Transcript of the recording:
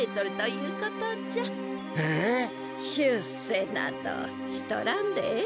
出世などしとらんでええ。